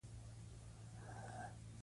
که زراعت ته پام وکړو نو غلې نه کمیږي.